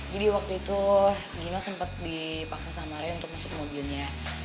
jadi waktu itu gino sempet dipaksa sama ray untuk masuk mobilnya